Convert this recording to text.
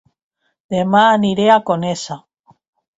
Dema aniré a Conesa